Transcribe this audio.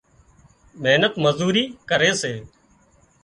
محنت مزوري ڪري سي